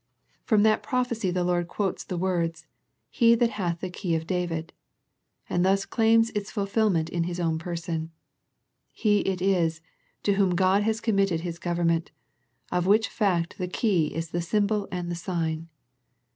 From that prophecy the Lord quotes the words " He that hath the key of David," and thus claims its fulfil ment in His own Person. He it is, to Whom God has committed His government, of which fact the key is the symbol and the sign.